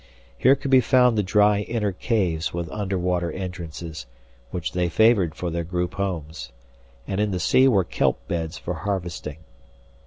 Here could be found the dry inner caves with underwater entrances, which they favored for their group homes. And in the sea were kelp beds for harvesting.